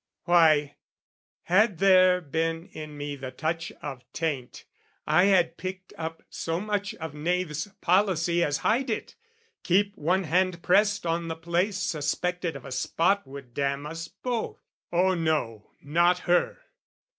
Why, had there been in me the touch of taint, I had picked up so much of knaves' policy As hide it, keep one hand pressed on the place Suspected of a spot would damn us both. Or no, not her!